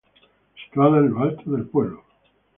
Situada en lo alto del pueblo.